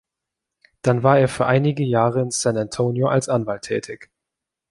Dann war er für einige Jahre in San Antonio als Anwalt tätig.